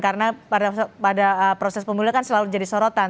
karena pada proses pemilu kan selalu menjadi sorotan